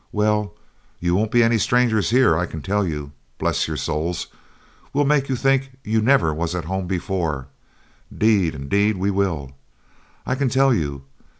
Well you won't be any strangers here, I can tell you. Bless your souls we'll make you think you never was at home before 'deed and 'deed we will, I can tell you!